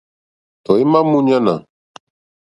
Tɔ̀ímá mǃúɲánà.